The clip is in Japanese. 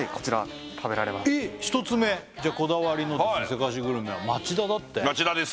これえっ１つ目じゃこだわりのせかしグルメは町田だって町田です